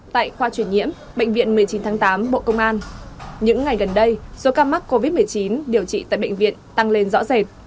tại khoa chuyển nhiễm bệnh viện một mươi chín tháng tám bộ công an những ngày gần đây số ca mắc covid một mươi chín điều trị tại bệnh viện tăng lên rõ rệt